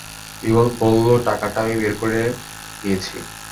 বিমল বলল, টাকাটা আমি বের করে নিয়েছি।